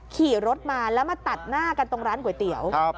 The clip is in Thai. ขี่รถมาแล้วมาตัดหน้ากันตรงร้านก๋วยเตี๋ยว